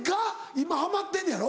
今ハマってんねやろ？